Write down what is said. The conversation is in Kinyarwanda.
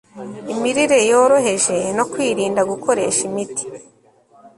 Imirire yoroheje no kwirinda gukoresha imiti